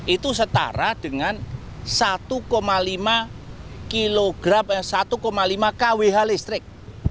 itu setara dengan satu lima kg satu lima kwh listrik